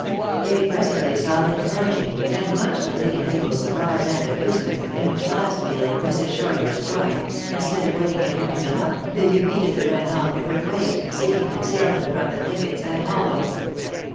They presently saw him ap proaching, and much to Lady Mabel s surprise and amusement, in which last feeling, Mrs. Shortridge joined, instead of waiting for him to come up, they immediately ran off different ways, seeking conceal ment from the thickets and hollows.